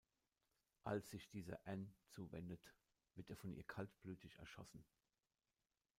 Als sich dieser Ann zuwendet, wird er von ihr kaltblütig erschossen.